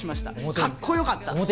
かっこよかった。